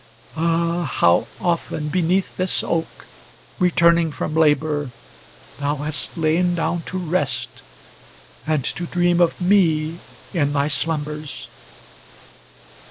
Ah! how often beneath this oak, returning from labor, Thou hast lain down to rest, and to dream of me in thy slumbers!